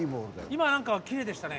今何かきれいでしたね。